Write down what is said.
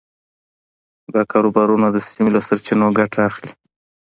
دا کاروبارونه د سیمې له سرچینو ګټه اخلي.